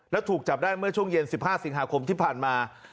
แล้วถูกจับได้เมื่อช่วงเย็น๑๕สิงหาคมที่ผ่านมา